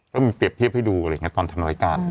ก็มีเปรียบเทียบให้ดูอะไรอย่างนี้ตอนทำรายการ